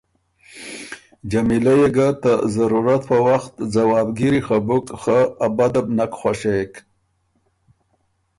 جمیلۀ يې ګه ته ضرورت په وخت ځوابګیري خه بُک، خه ا بده بو نک خوَشېک۔